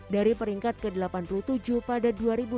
dari peringkat ke delapan puluh tujuh pada dua ribu dua puluh